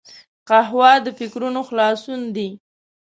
قهوه د فکرونو خلاصون دی